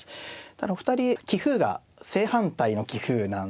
ただお二人棋風が正反対の棋風なんですよね。